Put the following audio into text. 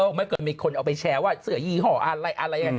ในเมื่อไขมีคนเอาไปแชร์ว่าเสื้อยีห่ออะไรอะไร